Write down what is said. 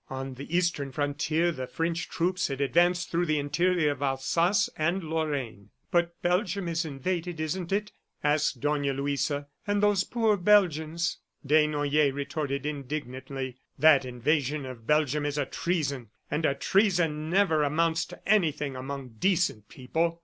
On the Eastern frontier the French troops had advanced through the interior of Alsace and Lorraine. "But Belgium is invaded, isn't it?" asked Dona Luisa. "And those poor Belgians?" Desnoyers retorted indignantly. "That invasion of Belgium is treason. ... And a treason never amounts to anything among decent people."